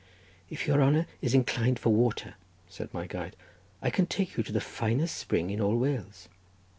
"If your honour is inclined for water," said my guide, "I can take you to the finest spring in all Wales."